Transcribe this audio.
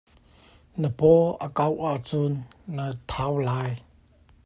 Na paw a kauh ahcun na thau lai.